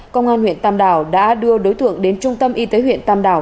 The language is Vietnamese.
công an huyện tam đảo đã đưa đối tượng đến trung tâm y tế huyện tam đảo